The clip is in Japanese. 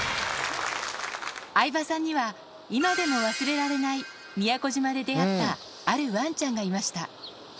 相葉さんには、今でも忘れられない、宮古島で出会ったあるわんちゃんがいました。